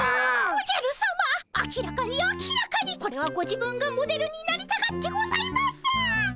おじゃるさま明らかに明らかにこれはご自分がモデルになりたがってございます。